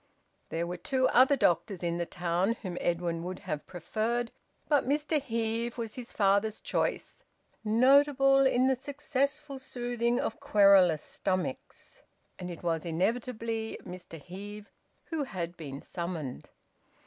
There were two other doctors in the town whom Edwin would have preferred, but Mr Heve was his father's choice, notable in the successful soothing of querulous stomachs, and it was inevitably Mr Heve who had been summoned.